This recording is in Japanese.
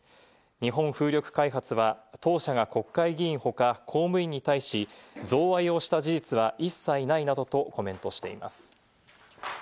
日本風力開発は、当社が国会議員他、公務員に対し贈賄をした事実は一切ないなどとコメントしています。